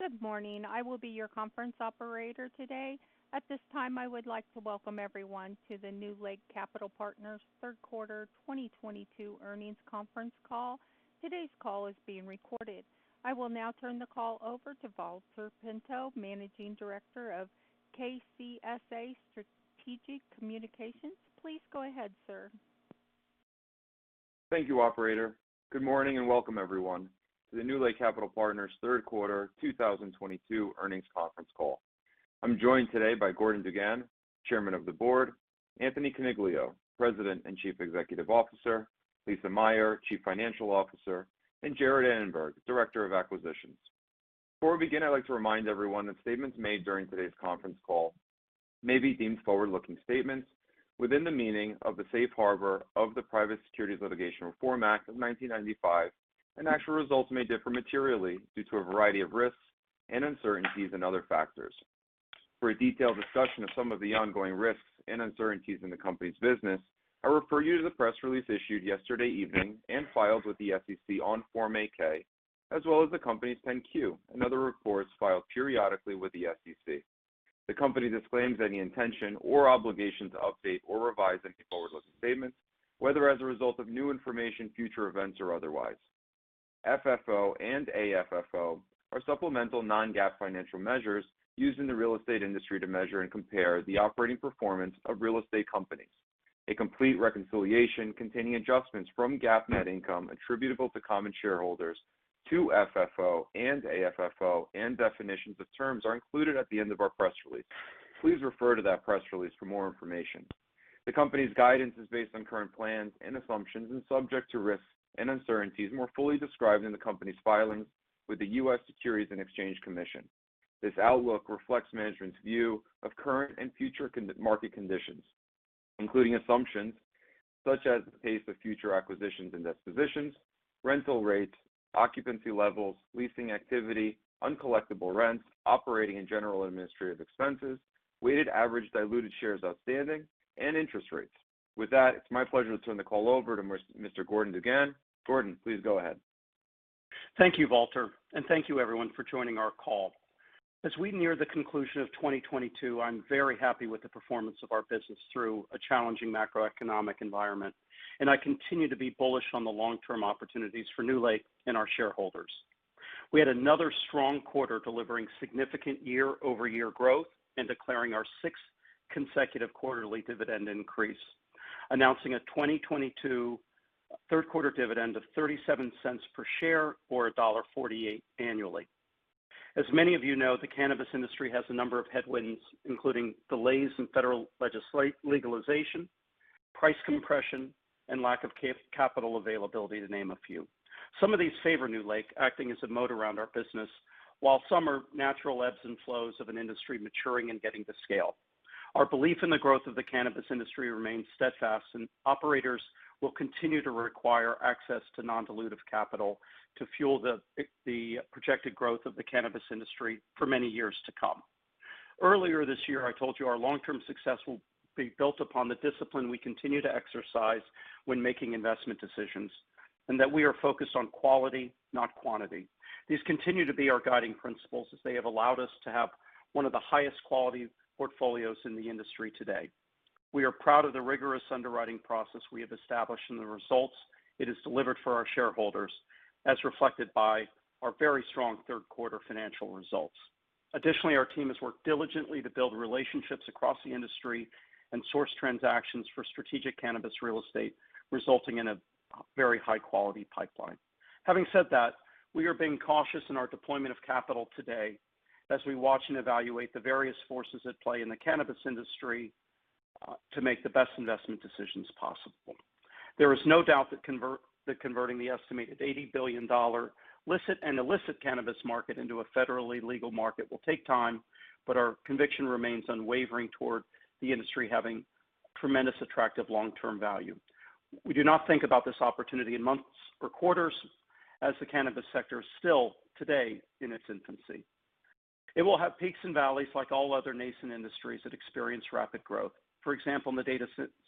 Good morning. I will be your conference operator today. At this time, I would like to welcome everyone to the NewLake Capital Partners third quarter 2022 earnings conference call. Today's call is being recorded. I will now turn the call over to Valter Pinto, Managing Director of KCSA Strategic Communications. Please go ahead, sir. Thank you, operator. Good morning, and welcome everyone to the NewLake Capital Partners third quarter 2022 earnings conference call. I'm joined today by Gordon DuGan, Chairman of the Board, Anthony Coniglio, President and Chief Executive Officer, Lisa Meyer, Chief Financial Officer, and Jarrett Annenberg, Director of Acquisitions. Before we begin, I'd like to remind everyone that statements made during today's conference call may be deemed forward-looking statements within the meaning of the Safe Harbor of the Private Securities Litigation Reform Act of 1995, and actual results may differ materially due to a variety of risks and uncertainties and other factors. For a detailed discussion of some of the ongoing risks and uncertainties in the company's business, I refer you to the press release issued yesterday evening and filed with the SEC on Form 8-K, as well as the company's 10-Q and other reports filed periodically with the SEC. The company disclaims any intention or obligation to update or revise any forward-looking statements, whether as a result of new information, future events or otherwise. FFO and AFFO are supplemental non-GAAP financial measures used in the real estate industry to measure and compare the operating performance of real estate companies. A complete reconciliation containing adjustments from GAAP net income attributable to common shareholders to FFO and AFFO and definitions of terms are included at the end of our press release. Please refer to that press release for more information. The company's guidance is based on current plans and assumptions and subject to risks and uncertainties more fully described in the company's filings with the U.S. Securities and Exchange Commission. This outlook reflects management's view of current and future market conditions, including assumptions such as the pace of future acquisitions and dispositions, rental rates, occupancy levels, leasing activity, uncollectible rents, operating and general administrative expenses, weighted average diluted shares outstanding, and interest rates. With that, it's my pleasure to turn the call over to Mr. Gordon DuGan. Gordon, please go ahead. Thank you, Valter, and thank you everyone for joining our call. As we near the conclusion of 2022, I'm very happy with the performance of our business through a challenging macroeconomic environment, and I continue to be bullish on the long-term opportunities for NewLake and our shareholders. We had another strong quarter, delivering significant year-over-year growth and declaring our sixth consecutive quarterly dividend increase, announcing a 2022 third quarter dividend of $0.37 per share or $1.48 annually. As many of you know, the cannabis industry has a number of headwinds, including delays in federal legalization, price compression, and lack of capital availability, to name a few. Some of these favor NewLake, acting as a moat around our business, while some are natural ebbs and flows of an industry maturing and getting to scale. Our belief in the growth of the cannabis industry remains steadfast, and operators will continue to require access to non-dilutive capital to fuel the projected growth of the cannabis industry for many years to come. Earlier this year, I told you our long-term success will be built upon the discipline we continue to exercise when making investment decisions, and that we are focused on quality, not quantity. These continue to be our guiding principles, as they have allowed us to have one of the highest quality portfolios in the industry today. We are proud of the rigorous underwriting process we have established and the results it has delivered for our shareholders, as reflected by our very strong third quarter financial results. Additionally, our team has worked diligently to build relationships across the industry and source transactions for strategic cannabis real estate, resulting in a very high-quality pipeline. Having said that, we are being cautious in our deployment of capital today as we watch and evaluate the various forces at play in the cannabis industry, to make the best investment decisions possible. There is no doubt that converting the estimated $80 billion licit and illicit cannabis market into a federally legal market will take time, but our conviction remains unwavering toward the industry having tremendous attractive long-term value. We do not think about this opportunity in months or quarters as the cannabis sector is still today in its infancy. It will have peaks and valleys like all other nascent industries that experience rapid growth. For example, in the data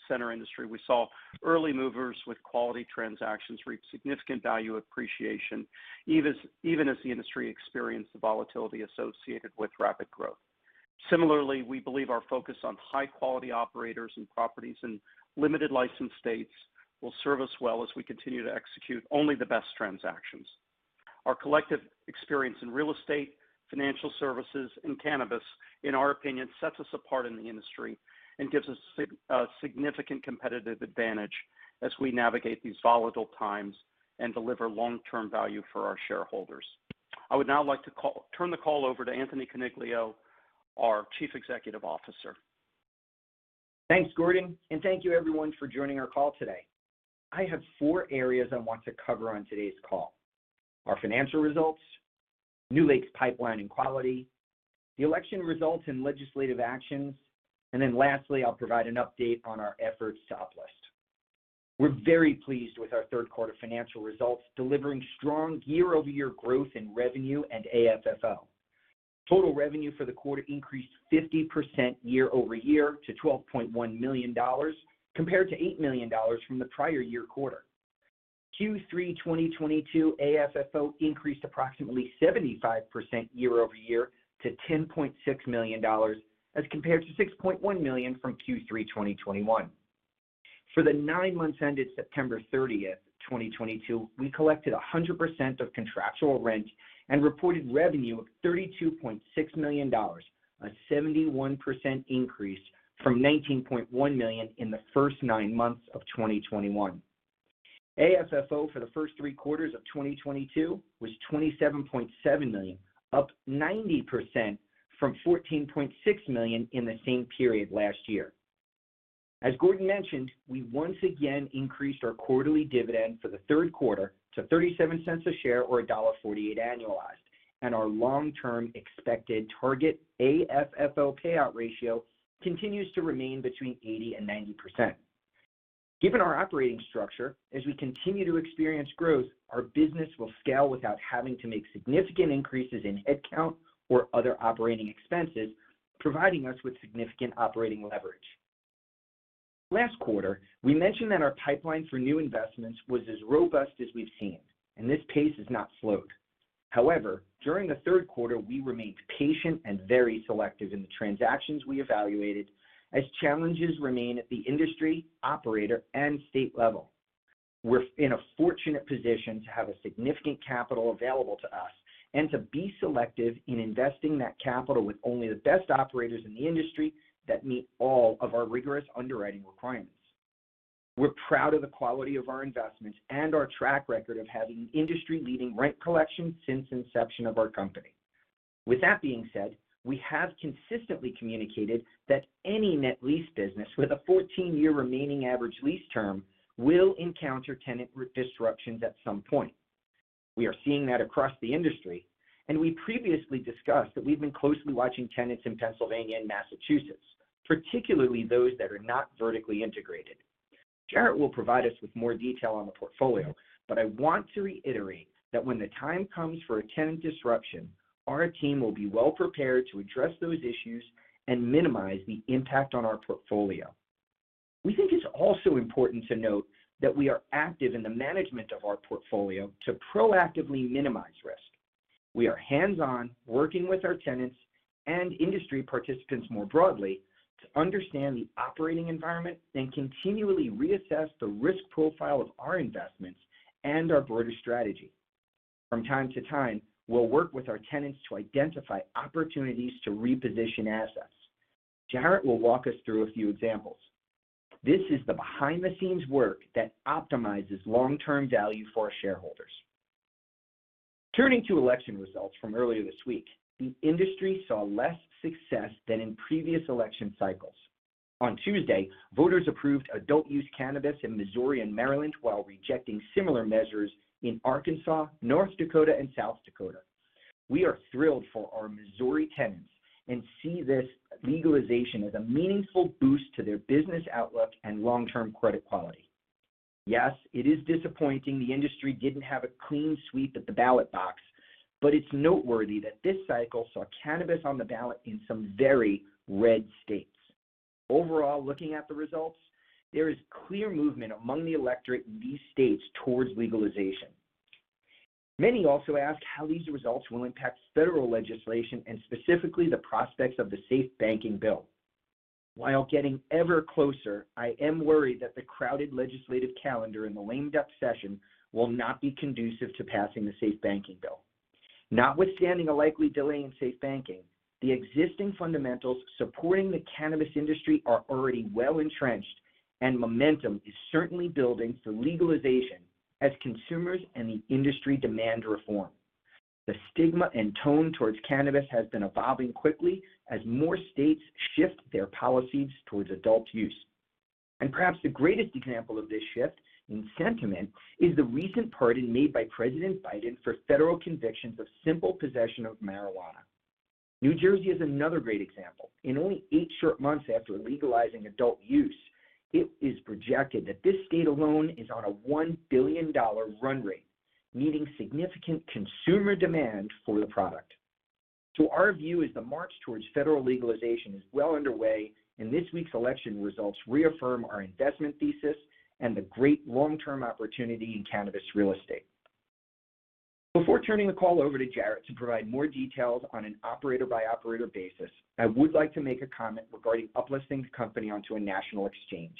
center industry, we saw early movers with quality transactions reap significant value appreciation, as the industry experienced the volatility associated with rapid growth. Similarly, we believe our focus on high-quality operators and properties in limited license states will serve us well as we continue to execute only the best transactions. Our collective experience in real estate, financial services, and cannabis, in our opinion, sets us apart in the industry and gives us significant competitive advantage as we navigate these volatile times and deliver long-term value for our shareholders. I would now like to turn the call over to Anthony Coniglio, our Chief Executive Officer. Thanks, Gordon, and thank you everyone for joining our call today. I have four areas I want to cover on today's call, our financial results, NewLake's pipeline and quality, the election results and legislative actions, and then lastly, I'll provide an update on our efforts to uplist. We're very pleased with our third quarter financial results, delivering strong year-over-year growth in revenue and AFFO. Total revenue for the quarter increased 50% year-over-year to $12.1 million, compared to $8 million from the prior year quarter. Q3 2022 AFFO increased approximately 75% year-over-year to $10.6 million, as compared to $6.1 million from Q3 2021. For the nine months ended September 30, 2022, we collected 100% of contractual rent and reported revenue of $32.6 million, a 71% increase from $19.1 million in the first nine months of 2021. AFFO for the first three quarters of 2022 was $27.7 million, up 90% from $14.6 million in the same period last year. As Gordon mentioned, we once again increased our quarterly dividend for the third quarter to $0.37 a share or $1.48 annualized, and our long-term expected target AFFO payout ratio continues to remain between 80%-90%. Given our operating structure, as we continue to experience growth, our business will scale without having to make significant increases in headcount or other operating expenses, providing us with significant operating leverage. Last quarter, we mentioned that our pipeline for new investments was as robust as we've seen, and this pace has not slowed. However, during the third quarter, we remained patient and very selective in the transactions we evaluated as challenges remain at the industry, operator, and state level. We're in a fortunate position to have a significant capital available to us and to be selective in investing that capital with only the best operators in the industry that meet all of our rigorous underwriting requirements. We're proud of the quality of our investments and our track record of having industry-leading rent collection since inception of our company. With that being said, we have consistently communicated that any net lease business with a 14-year remaining average lease term will encounter tenant re-leasing disruptions at some point. We are seeing that across the industry, and we previously discussed that we've been closely watching tenants in Pennsylvania and Massachusetts, particularly those that are not vertically integrated. Jarrett will provide us with more detail on the portfolio, but I want to reiterate that when the time comes for a tenant disruption, our team will be well prepared to address those issues and minimize the impact on our portfolio. We think it's also important to note that we are active in the management of our portfolio to proactively minimize risk. We are hands-on, working with our tenants and industry participants more broadly to understand the operating environment and continually reassess the risk profile of our investments and our broader strategy. From time to time, we'll work with our tenants to identify opportunities to reposition assets. Jarrett will walk us through a few examples. This is the behind-the-scenes work that optimizes long-term value for our shareholders. Turning to election results from earlier this week, the industry saw less success than in previous election cycles. On Tuesday, voters approved adult use cannabis in Missouri and Maryland while rejecting similar measures in Arkansas, North Dakota, and South Dakota. We are thrilled for our Missouri tenants and see this legalization as a meaningful boost to their business outlook and long-term credit quality. Yes, it is disappointing the industry didn't have a clean sweep at the ballot box, but it's noteworthy that this cycle saw cannabis on the ballot in some very red states. Overall, looking at the results, there is clear movement among the electorate in these states towards legalization. Many also ask how these results will impact federal legislation and specifically the prospects of the SAFE Banking Act. While getting ever closer, I am worried that the crowded legislative calendar in the lame-duck session will not be conducive to passing the SAFE Banking Act. Notwithstanding a likely delay in SAFE Banking, the existing fundamentals supporting the cannabis industry are already well entrenched, and momentum is certainly building to legalization as consumers and the industry demand reform. The stigma and tone towards cannabis has been evolving quickly as more states shift their policies towards adult use. Perhaps the greatest example of this shift in sentiment is the recent pardon made by President Biden for federal convictions of simple possession of marijuana. New Jersey is another great example. In only eight short months after legalizing adult use, it is projected that this state alone is on a $1 billion run rate, meeting significant consumer demand for the product. Our view is the march towards federal legalization is well underway, and this week's election results reaffirm our investment thesis and the great long-term opportunity in cannabis real estate. Before turning the call over to Jarrett to provide more details on an operator-by-operator basis, I would like to make a comment regarding uplisting the company onto a national exchange.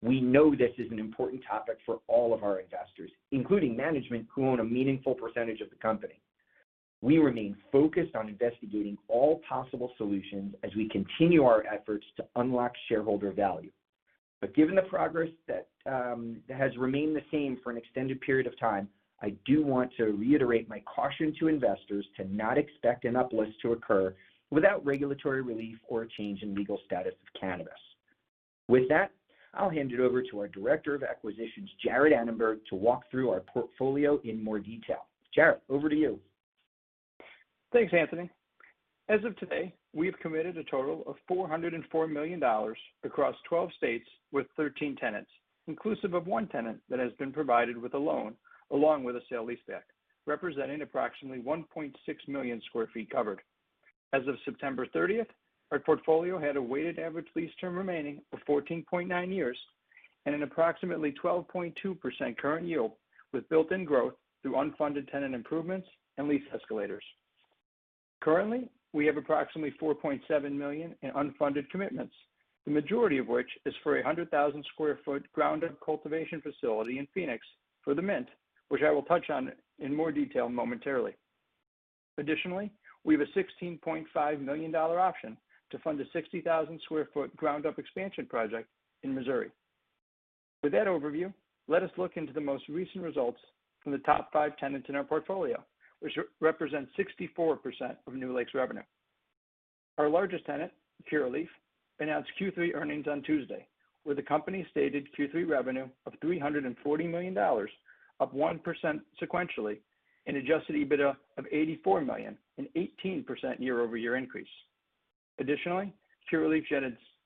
We know this is an important topic for all of our investors, including management, who own a meaningful percentage of the company. We remain focused on investigating all possible solutions as we continue our efforts to unlock shareholder value. Given the progress that has remained the same for an extended period of time, I do want to reiterate my caution to investors to not expect an uplist to occur without regulatory relief or a change in legal status of cannabis. With that, I'll hand it over to our Director of Acquisitions, Jarrett Annenberg, to walk through our portfolio in more detail. Jarrett, over to you. Thanks, Anthony. As of today, we have committed a total of $404 million across 12 states with 13 tenants, inclusive of one tenant that has been provided with a loan along with a sale leaseback, representing approximately 1.6 million sq ft covered. As of September 30, our portfolio had a weighted average lease term remaining of 14.9 years and an approximately 12.2% current yield with built-in growth through unfunded tenant improvements and lease escalators. Currently, we have approximately $4.7 million in unfunded commitments, the majority of which is for a 100,000 sq ft ground up cultivation facility in Phoenix for The Mint, which I will touch on in more detail momentarily. Additionally, we have a $16.5 million option to fund a 60,000 sq ft ground up expansion project in Missouri. With that overview, let us look into the most recent results from the top five tenants in our portfolio, which represent 64% of NewLake's revenue. Our largest tenant, Curaleaf, announced Q3 earnings on Tuesday, where the company stated Q3 revenue of $340 million, up 1% sequentially and adjusted EBITDA of $84 million, an 18% year-over-year increase. Additionally, Curaleaf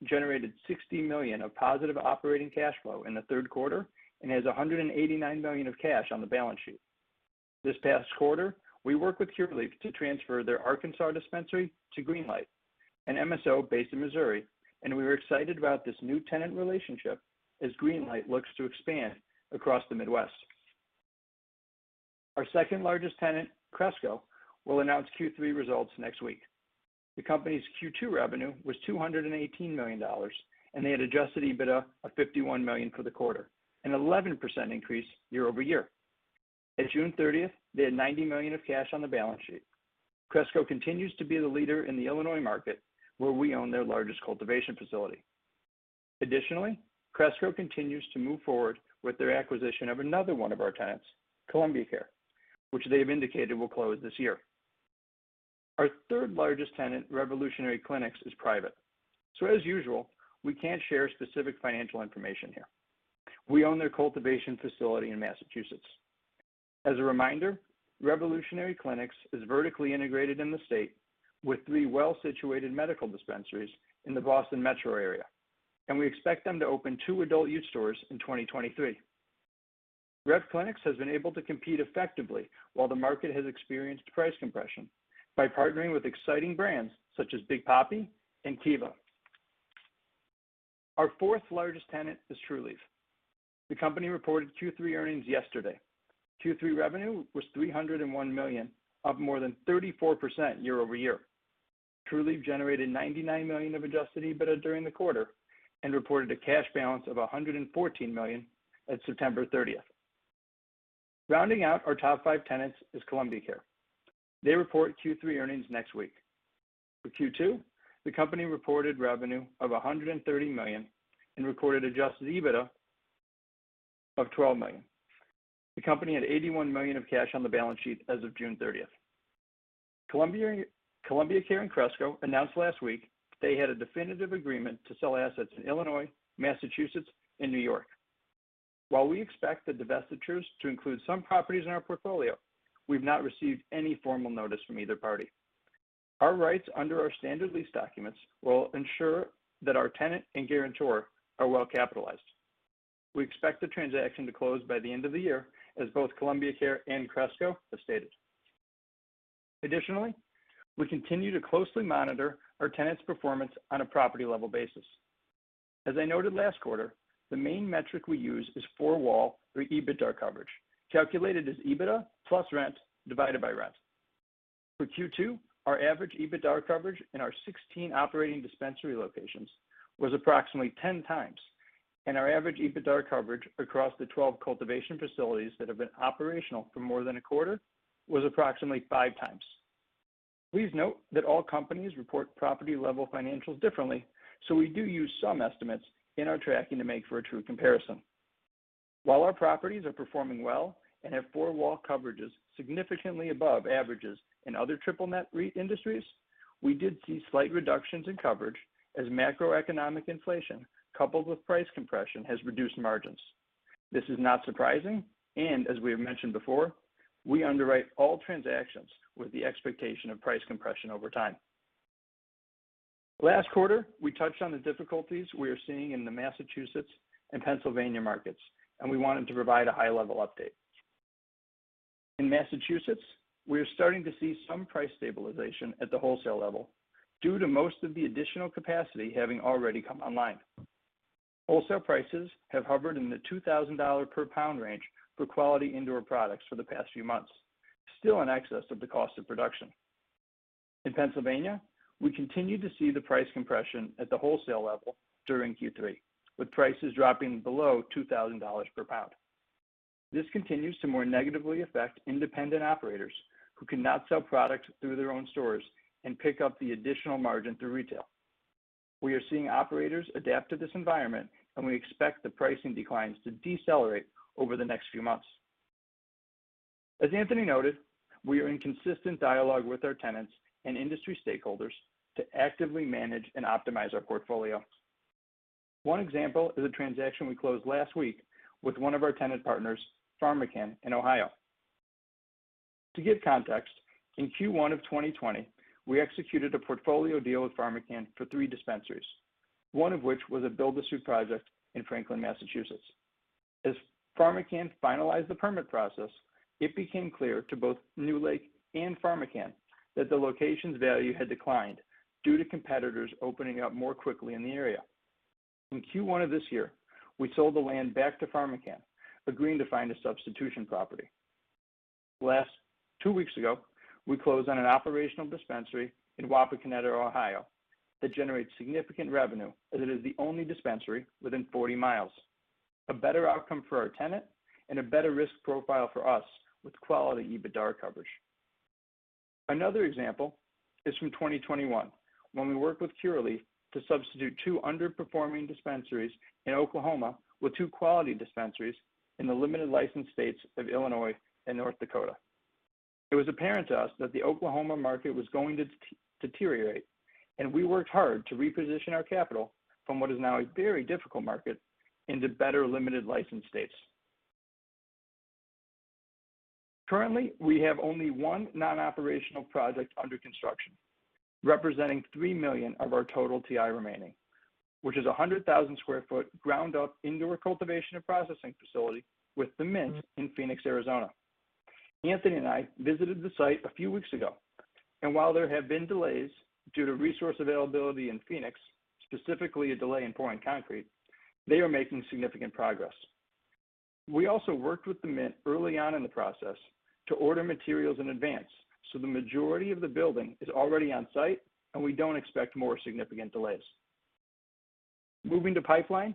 generated $60 million of positive operating cash flow in the third quarter and has $189 million of cash on the balance sheet. This past quarter, we worked with Curaleaf to transfer their Arkansas dispensary to Greenlight, an MSO based in Missouri, and we are excited about this new tenant relationship as Greenlight looks to expand across the Midwest. Our second-largest tenant, Cresco, will announce Q3 results next week. The company's Q2 revenue was $218 million, and they had adjusted EBITDA of $51 million for the quarter, an 11% increase year-over-year. As of June 30, they had $90 million of cash on the balance sheet. Cresco continues to be the leader in the Illinois market, where we own their largest cultivation facility. Cresco continues to move forward with their acquisition of another one of our tenants, Columbia Care, which they have indicated will close this year. Our third-largest tenant, Revolutionary Clinics, is private. As usual, we can't share specific financial information here. We own their cultivation facility in Massachusetts. As a reminder, Revolutionary Clinics is vertically integrated in the state with three well-situated medical dispensaries in the Boston Metro area, and we expect them to open two adult use stores in 2023. Revolutionary Clinics has been able to compete effectively while the market has experienced price compression by partnering with exciting brands such as Big Papi and Kiva. Our fourth largest tenant is Trulieve. The company reported Q3 earnings yesterday. Q3 revenue was $301 million, up more than 34% year-over-year. Trulieve generated $99 million of adjusted EBITDA during the quarter and reported a cash balance of $114 million at September thirtieth. Rounding out our top five tenants is Columbia Care. They report Q3 earnings next week. For Q2, the company reported revenue of $130 million and reported adjusted EBITDA of $12 million. The company had $81 million of cash on the balance sheet as of June thirtieth. Columbia Care and Cresco announced last week they had a definitive agreement to sell assets in Illinois, Massachusetts, and New York. While we expect the divestitures to include some properties in our portfolio, we've not received any formal notice from either party. Our rights under our standard lease documents will ensure that our tenant and guarantor are well-capitalized. We expect the transaction to close by the end of the year, as both Columbia Care and Cresco have stated. Additionally, we continue to closely monitor our tenants' performance on a property-level basis. As I noted last quarter, the main metric we use is four-wall or EBITDA coverage, calculated as EBITDA plus rent divided by rent. For Q2, our average EBITDA coverage in our 16 operating dispensary locations was approximately 10x, and our average EBITDA coverage across the 12 cultivation facilities that have been operational for more than a quarter was approximately 5x. Please note that all companies report property-level financials differently, so we do use some estimates in our tracking to make for a true comparison. While our properties are performing well and have four-wall coverages significantly above averages in other triple-net REIT industries, we did see slight reductions in coverage as macroeconomic inflation, coupled with price compression, has reduced margins. This is not surprising, and as we have mentioned before, we underwrite all transactions with the expectation of price compression over time. Last quarter, we touched on the difficulties we are seeing in the Massachusetts and Pennsylvania markets, and we wanted to provide a high-level update. In Massachusetts, we are starting to see some price stabilization at the wholesale level due to most of the additional capacity having already come online. Wholesale prices have hovered in the $2,000-per-pound range for quality indoor products for the past few months, still in excess of the cost of production. In Pennsylvania, we continued to see the price compression at the wholesale level during Q3, with prices dropping below $2,000 per pound. This continues to more negatively affect independent operators who cannot sell product through their own stores and pick up the additional margin through retail. We are seeing operators adapt to this environment, and we expect the pricing declines to decelerate over the next few months. As Anthony noted, we are in consistent dialogue with our tenants and industry stakeholders to actively manage and optimize our portfolio. One example is a transaction we closed last week with one of our tenant partners, PharmaCann, in Ohio. To give context, in Q1 of 2020, we executed a portfolio deal with PharmaCann for three dispensaries, one of which was a build-to-suit project in Franklin, Massachusetts. As PharmaCann finalized the permit process, it became clear to both NewLake and PharmaCann that the location's value had declined due to competitors opening up more quickly in the area. In Q1 of this year, we sold the land back to PharmaCann, agreeing to find a substitution property. Two weeks ago, we closed on an operational dispensary in Wapakoneta, Ohio, that generates significant revenue as it is the only dispensary within 40 miles. A better outcome for our tenant and a better risk profile for us with quality EBITDAR coverage. Another example is from 2021, when we worked with Curaleaf to substitute two underperforming dispensaries in Oklahoma with two quality dispensaries in the limited license states of Illinois and North Dakota. It was apparent to us that the Oklahoma market was going to deteriorate, and we worked hard to reposition our capital from what is now a very difficult market into better limited license states. Currently, we have only one non-operational project under construction, representing $3 million of our total TI remaining, which is a 100,000 sq ft ground-up indoor cultivation and processing facility with Mint Cannabis in Phoenix, Arizona. Anthony and I visited the site a few weeks ago, and while there have been delays due to resource availability in Phoenix, specifically a delay in pouring concrete, they are making significant progress. We also worked with The Mint early on in the process to order materials in advance, so the majority of the building is already on site, and we don't expect more significant delays. Moving to pipeline,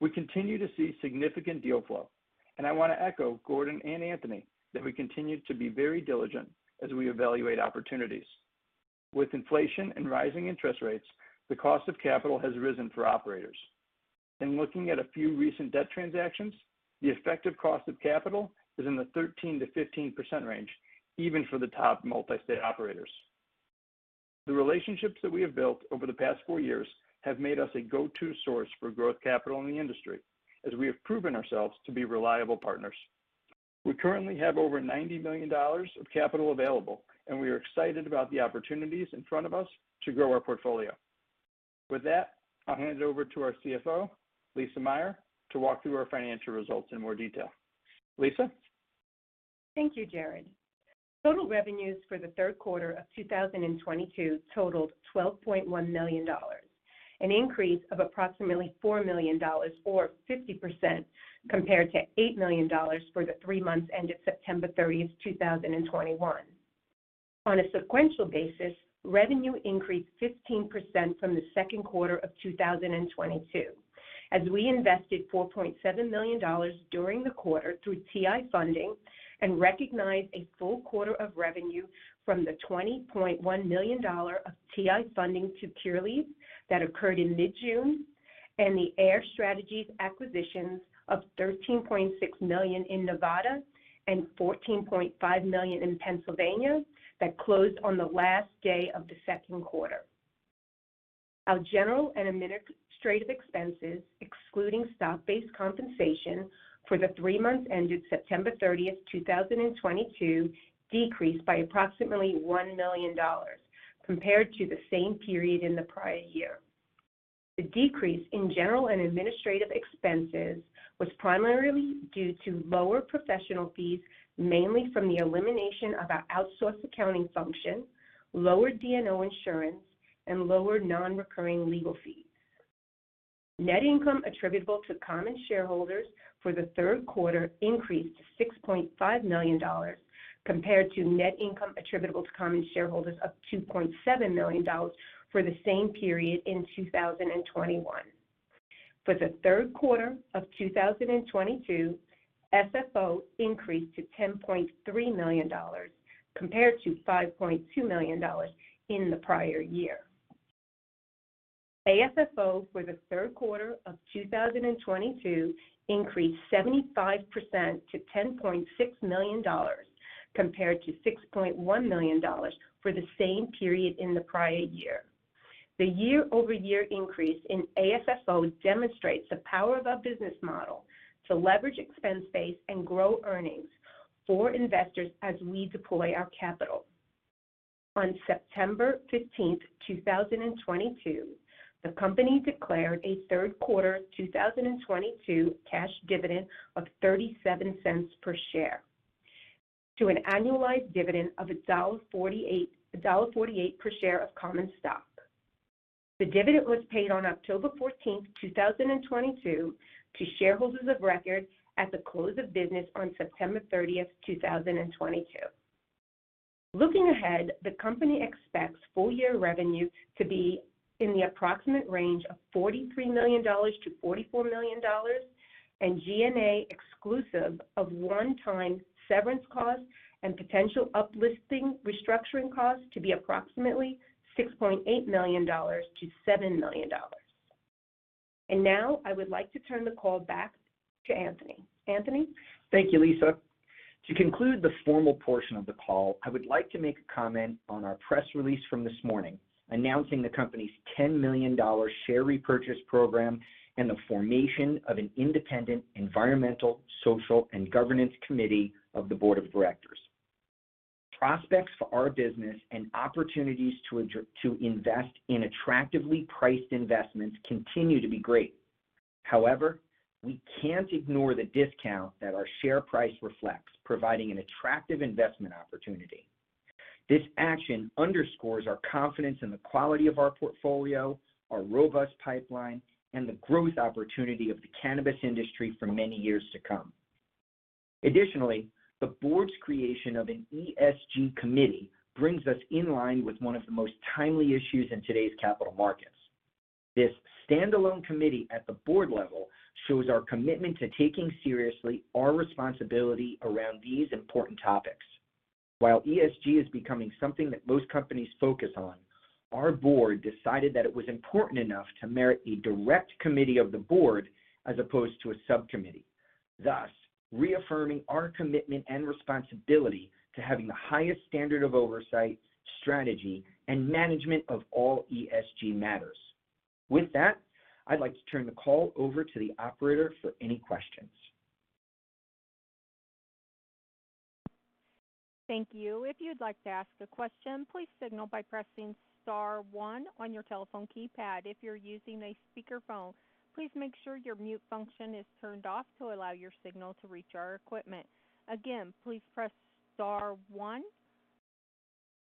we continue to see significant deal flow. I wanna echo Gordon and Anthony that we continue to be very diligent as we evaluate opportunities. With inflation and rising interest rates, the cost of capital has risen for operators. In looking at a few recent debt transactions, the effective cost of capital is in the 13%-15% range, even for the top multi-state operators. The relationships that we have built over the past four years have made us a go-to source for growth capital in the industry as we have proven ourselves to be reliable partners. We currently have over $90 million of capital available, and we are excited about the opportunities in front of us to grow our portfolio. With that, I'll hand it over to our CFO, Lisa Meyer, to walk through our financial results in more detail. Lisa. Thank you, Jarrett. Total revenues for the third quarter of 2022 totaled $12.1 million, an increase of approximately $4 million or 50% compared to $8 million for the three months ended September 30, 2021. On a sequential basis, revenue increased 15% from the second quarter of 2022, as we invested $4.7 million during the quarter through TI funding and recognized a full quarter of revenue from the $20.1 million of TI funding to Curaleaf that occurred in mid-June, and the Ayr Strategies acquisitions of $13.6 million in Nevada and $14.5 million in Pennsylvania that closed on the last day of the second quarter. Our general and administrative expenses, excluding stock-based compensation for the three months ended September 30, 2022, decreased by approximately $1 million compared to the same period in the prior year. The decrease in general and administrative expenses was primarily due to lower professional fees, mainly from the elimination of our outsourced accounting function, lower D&O insurance, and lower non-recurring legal fees. Net income attributable to common shareholders for the third quarter increased to $6.5 million compared to net income attributable to common shareholders of $2.7 million for the same period in 2021. For the third quarter of 2022, FFO increased to $10.3 million compared to $5.2 million in the prior year. AFFO for the third quarter of 2022 increased 75% to $10.6 million, compared to $6.1 million for the same period in the prior year. The year-over-year increase in AFFO demonstrates the power of our business model to leverage expense base and grow earnings for investors as we deploy our capital. On September 15th, 2022, the company declared a third-quarter 2022 cash dividend of $0.37 per share to an annualized dividend of $1.48, $1.48 per share of common stock. The dividend was paid on October 14th, 2022 to shareholders of record at the close of business on September 30th, 2022. Looking ahead, the company expects full-year revenue to be in the approximate range of $43 million-$44 million and G&A exclusive of one-time severance costs and potential uplisting restructuring costs to be approximately $6.8 million-$7 million. Now I would like to turn the call back to Anthony. Anthony? Thank you, Lisa. To conclude the formal portion of the call, I would like to make a comment on our press release from this morning announcing the company's $10 million share repurchase program and the formation of an independent environmental, social, and governance committee of the Board of Directors. Prospects for our business and opportunities to invest in attractively priced investments continue to be great. However, we can't ignore the discount that our share price reflects, providing an attractive investment opportunity. This action underscores our confidence in the quality of our portfolio, our robust pipeline, and the growth opportunity of the cannabis industry for many years to come. Additionally, the Board's creation of an ESG committee brings us in line with one of the most timely issues in today's capital markets. This standalone committee at the Board level shows our commitment to taking seriously our responsibility around these important topics. While ESG is becoming something that most companies focus on, our Board decided that it was important enough to merit a direct committee of the Board as opposed to a subcommittee, thus reaffirming our commitment and responsibility to having the highest standard of oversight, strategy, and management of all ESG matters. With that, I'd like to turn the call over to the operator for any questions. Thank you. If you'd like to ask a question, please signal by pressing star one on your telephone keypad. If you're using a speakerphone, please make sure your mute function is turned off to allow your signal to reach our equipment. Again, please press star one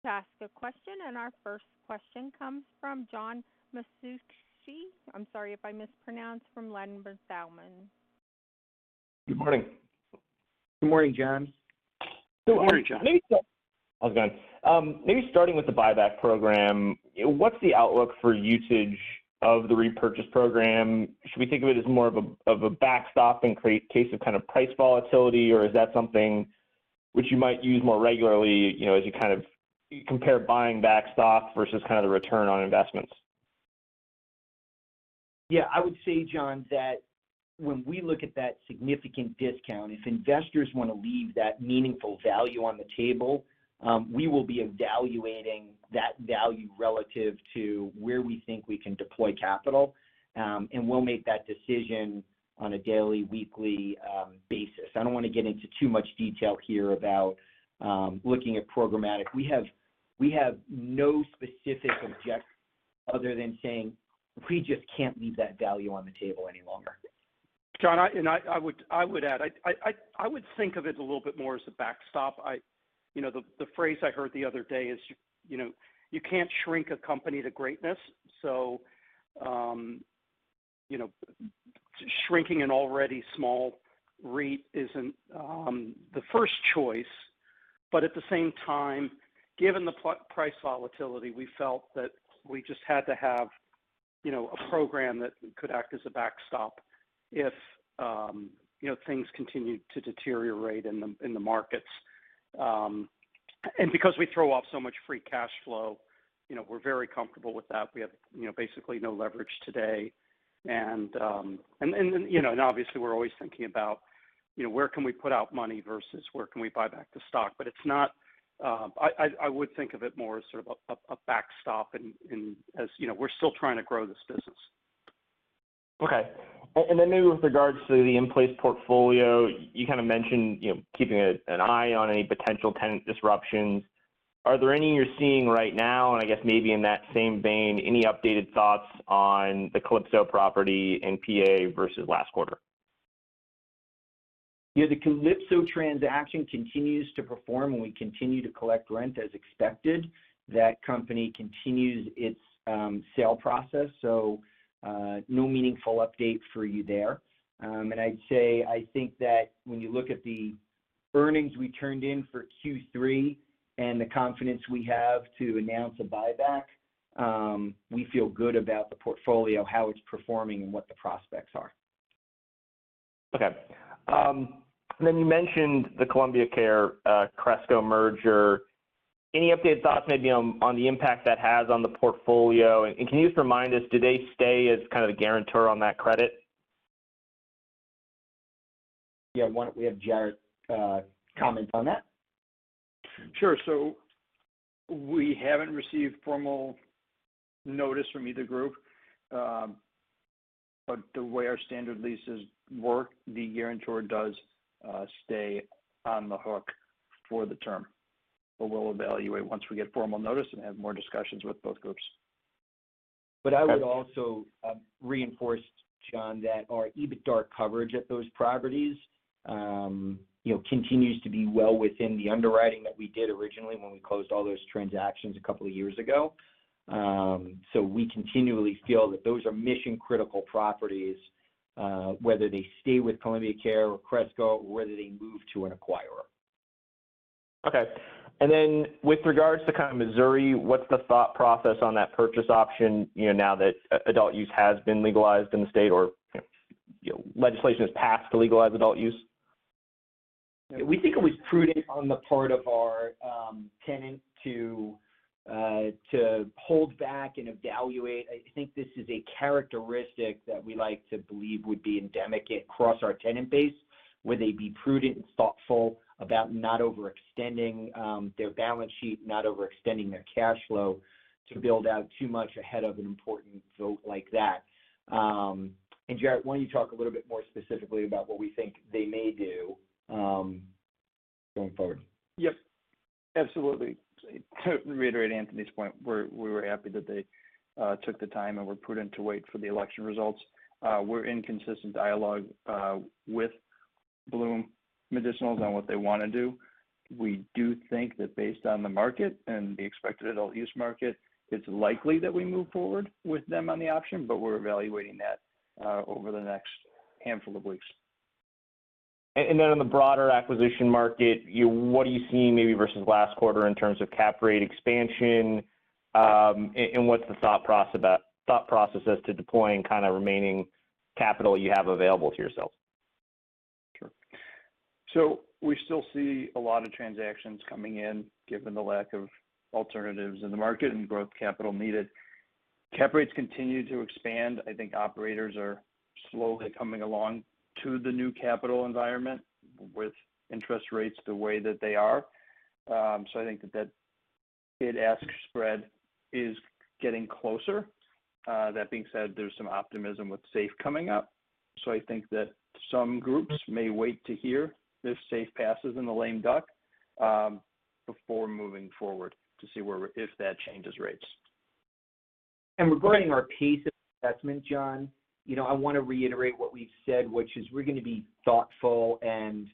to ask a question. Our first question comes from John Massocca. I'm sorry if I mispronounced, from Ladenburg Thalmann. Good morning. Good morning, John. Good morning, John. Maybe starting with the buyback program, what's the outlook for usage of the repurchase program? Should we think of it as more of a backstop in case of kind of price volatility, or is that something which you might use more regularly, you know, as you kind of compare buying back stock versus kind of the return on investments? Yeah, I would say, John, that when we look at that significant discount, if investors wanna leave that meaningful value on the table, we will be evaluating that value relative to where we think we can deploy capital, and we'll make that decision on a daily, weekly, basis. I don't wanna get into too much detail here about looking at programmatic. We have no specific objective other than saying we just can't leave that value on the table any longer. John, I would add, I would think of it a little bit more as a backstop. You know, the phrase I heard the other day is, you know, you can't shrink a company to greatness. Shrinking an already small REIT isn't the first choice. But at the same time, given the price volatility, we felt that we just had to have, you know, a program that could act as a backstop if, you know, things continued to deteriorate in the markets. Because we throw off so much free cash flow, you know, we're very comfortable with that. We have, you know, basically no leverage today. You know, and obviously we're always thinking about, you know, where can we put our money versus where can we buy back the stock. It's not. I would think of it more as sort of a backstop and as, you know, we're still trying to grow this business. Okay. Then maybe with regards to the in-place portfolio, you kind of mentioned, you know, keeping an eye on any potential tenant disruptions. Are there any you're seeing right now? I guess maybe in that same vein, any updated thoughts on the Calypso property in PA versus last quarter? Yeah, the Calypso transaction continues to perform, and we continue to collect rent as expected. That company continues its sale process, so no meaningful update for you there. I'd say, I think that when you look at the earnings we turned in for Q3 and the confidence we have to announce a buyback, we feel good about the portfolio, how it's performing, and what the prospects are. Okay. You mentioned the Columbia Care, Cresco merger. Any updated thoughts maybe on the impact that has on the portfolio? Can you just remind us, do they stay as kind of the guarantor on that credit? Yeah. Why don't we have Jarrett comment on that? Sure. We haven't received formal notice from either group. The way our standard leases work, the guarantor does stay on the hook for the term. We'll evaluate once we get formal notice and have more discussions with both groups. Okay. I would also reinforce, John, that our EBITDA coverage at those properties, you know, continues to be well within the underwriting that we did originally when we closed all those transactions a couple of years ago. We continually feel that those are mission-critical properties, whether they stay with Columbia Care or Cresco, or whether they move to an acquirer. With regards to kind of Missouri, what's the thought process on that purchase option, you know, now that adult use has been legalized in the state or, you know, legislation has passed to legalize adult use? We think it was prudent on the part of our tenant to hold back and evaluate. I think this is a characteristic that we like to believe would be endemic across our tenant base, where they'd be prudent and thoughtful about not overextending their balance sheet, not overextending their cash flow to build out too much ahead of an important vote like that. Jarrett, why don't you talk a little bit more specifically about what we think they may do going forward? Yep, absolutely. To reiterate Anthony's point, we were happy that they took the time and were prudent to wait for the election results. We're in consistent dialogue with Bloom Medicinals on what they wanna do. We do think that based on the market and the expected adult use market, it's likely that we move forward with them on the option, but we're evaluating that over the next handful of weeks. On the broader acquisition market, you, what are you seeing maybe versus last quarter in terms of cap rate expansion? What's the thought process about thought processes to deploying kind of remaining capital you have available to yourself? Sure. We still see a lot of transactions coming in, given the lack of alternatives in the market and growth capital needed. Cap rates continue to expand. I think operators are slowly coming along to the new capital environment with interest rates the way that they are. I think that bid-ask spread is getting closer. That being said, there's some optimism with SAFE coming up, so I think that some groups may wait to hear if SAFE passes in the lame duck before moving forward to see if that changes rates. Regarding our pace of investment, John, you know, I wanna reiterate what we've said, which is we're gonna be thoughtful and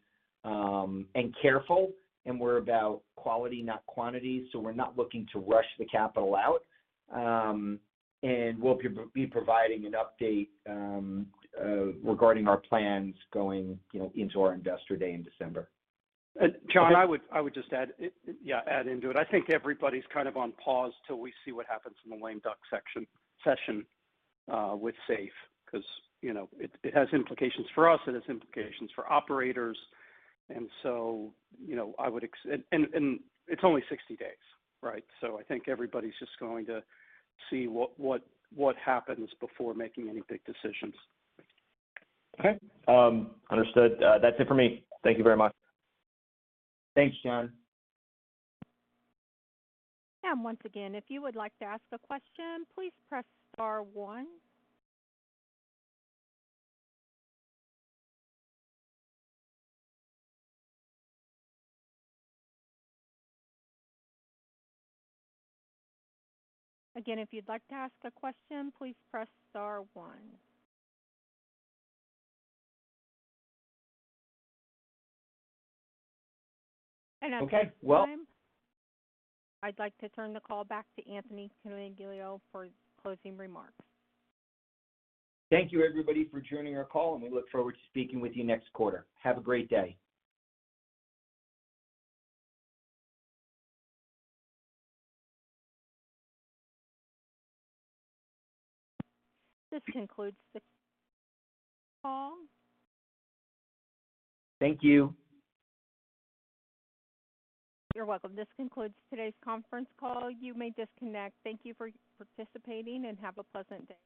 careful, and we're about quality, not quantity, so we're not looking to rush the capital out. We'll be providing an update regarding our plans going, you know, into our Investor Day in December. John, I would just add into it. I think everybody's kind of on pause till we see what happens in the lame duck session with SAFE, 'cause, you know, it has implications for us and has implications for operators. It's only 60 days, right? I think everybody's just going to see what happens before making any big decisions. Okay. Understood. That's it for me. Thank you very much. Thanks, John. Once again, if you would like to ask a question, please press star one. Again, if you'd like to ask a question, please press star one. At this time. Okay. Well. I'd like to turn the call back to Anthony Coniglio for closing remarks. Thank you, everybody, for joining our call, and we look forward to speaking with you next quarter. Have a great day. This concludes the call. Thank you. You're welcome. This concludes today's conference call. You may disconnect. Thank you for participating, and have a pleasant day.